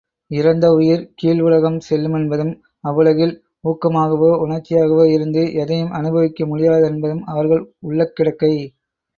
இறந்த உயிர் கீழ் உலகம் செல்லுமென்பதும், அவ்வுலகில் ஊக்கமாகவோ உணர்ச்சியாகவோ இருந்து எதையும் அனுபவிக்க முடியாதென்பதும் அவர்கள் உள்ளக்கிடக்கை.